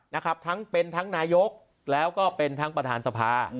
นะครับทั้งเป็นทั้งนายกแล้วก็เป็นทั้งประธานสภา